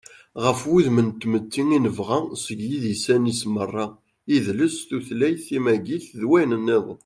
ɣef wudem n tmetti i nebɣa seg yidisan-is meṛṛa: idles, tutlayt, timagit, d wayen-nniḍen